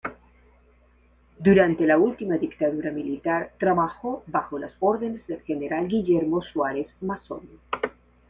Durante la última dictadura militar trabajó bajos las órdenes del General Guillermo Suárez Mason.